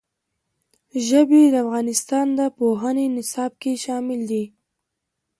ژبې د افغانستان د پوهنې نصاب کې شامل دي.